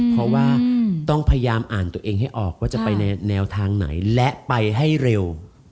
เพราะว่าต้องพยายามอ่านตัวเองให้ออกว่าจะไปในแนวทางไหนและไปให้เร็ว